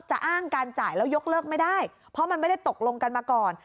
อ้างการจ่ายแล้วยกเลิกไม่ได้เพราะมันไม่ได้ตกลงกันมาก่อน